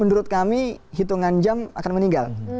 menurut kami hitungan jam akan meninggal